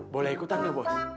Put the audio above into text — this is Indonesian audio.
boleh ikutan gak bos